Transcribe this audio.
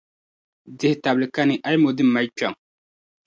Dihi-tabili kani, a yi mo din mali kpiɔŋ.